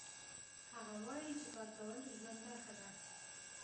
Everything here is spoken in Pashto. هغه وایي چې کار کول د ژوند برخه ده